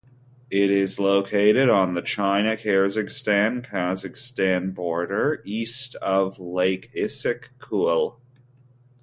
It is located on the China-Kyrgyzstan-Kazakhstan border, east of lake Issyk Kul.